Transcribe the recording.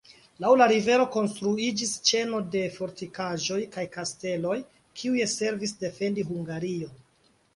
Laŭ la rivero konstruiĝis ĉeno de fortikaĵoj kaj kasteloj, kiuj servis defendi Hungarion.